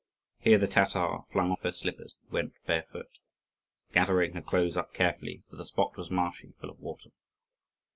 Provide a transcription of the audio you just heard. Here the Tatar flung off her slippers and went barefoot, gathering her clothes up carefully, for the spot was marshy and full of water.